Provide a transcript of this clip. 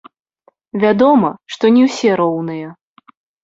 Вядома, што не ўсе роўныя.